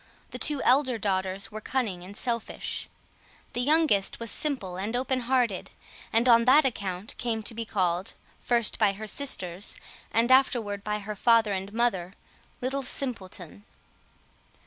The two elder girls were cunning and selfish; the youngest was simple and open hearted, and on that account came to be called, first by her sisters and afterward by her father and mother, "Little Simpleton."